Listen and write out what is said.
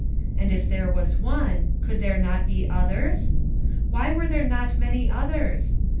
And if there was one, could there not be others? Why were there not many others?